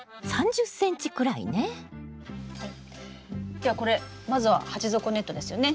ではこれまずは鉢底ネットですよね。